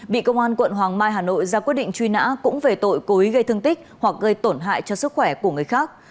bị công an quận hoàng mai hà nội ra quyết định truy nã cũng về tội cố ý gây thương tích hoặc gây tổn hại cho sức khỏe của người khác